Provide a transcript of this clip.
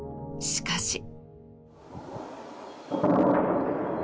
しかし。